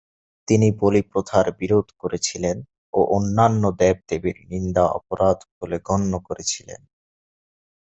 তিনি বলি প্রথার বিরোধ করেছিলেন ও অন্যান্য দেব-দেবীর নিন্দা অপরাধ বলে গন্য করেছিলেন।